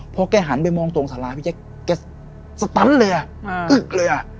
พอแกหันไปมองตรงสาราพี่แจ๊คแกสตันเลยอ่ะกึ๊กเลยอ่ะ